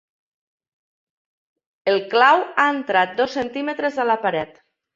El clau ha entrat dos centímetres a la paret.